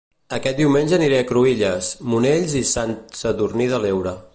Aquest diumenge aniré a Cruïlles, Monells i Sant Sadurní de l'Heura